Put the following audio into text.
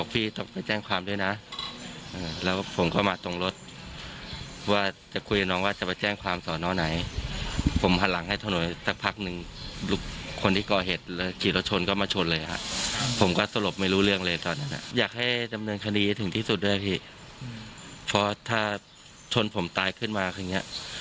พูดสุดด้วยพี่เพราะถ้าชนผมตายขึ้นมาคือเนี่ย